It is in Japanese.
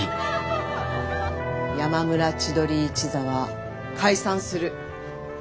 山村千鳥一座は解散する。